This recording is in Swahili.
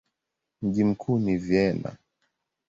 Mji mkuu ni Vienna.